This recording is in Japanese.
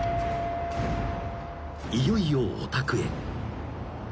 ［いよいよお宅へ］